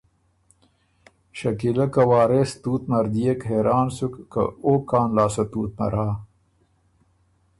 شکیلۀ که وارث تُوت نر دئېک حېران سُک که او کان لاسته تُوت نر هۀ۔